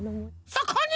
そこに！